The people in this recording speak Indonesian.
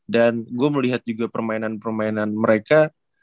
dan gue melihat juga permainan permainan mereka